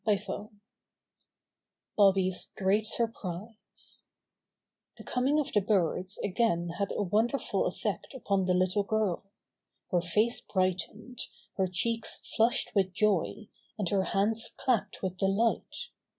STORY XVI Bobby's Great Surprise The coming of the birds again had a won derful effect upon the little girl. Her face brightened, her cheeks flushed with joy, and her hands clapped with delight.